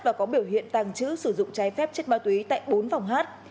và có biểu hiện tàng chữ sử dụng cháy phép chất ma túy tại bốn phòng hát